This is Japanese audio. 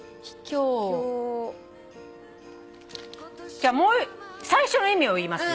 じゃあ最初の意味を言いますよ。